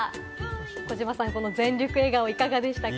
児嶋さん、全力笑顔、いかがでしたか？